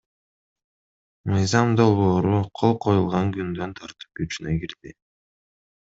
Мыйзам долбоору кол коюлган күндөн тартып күчүнө кирди.